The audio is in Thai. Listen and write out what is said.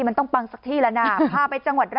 มันต้องปังสักที่แล้วนะพาไปจังหวัดเรา